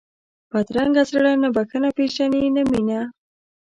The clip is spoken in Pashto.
بدرنګه زړه نه بښنه پېژني نه مینه